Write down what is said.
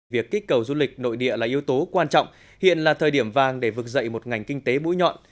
việc kích cầu du lịch nội địa là yếu tố quan trọng hiện là thời điểm vàng để vực dậy một ngành kinh tế mũi nhọn